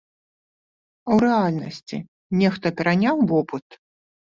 А ў рэальнасці нехта пераняў вопыт?